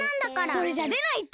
それじゃでないって！